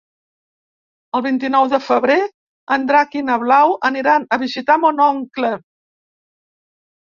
El vint-i-nou de febrer en Drac i na Blau aniran a visitar mon oncle.